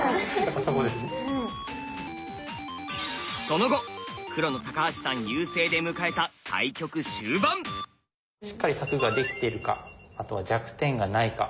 その後黒の橋さん優勢で迎えたしっかり柵ができているかあとは弱点がないか。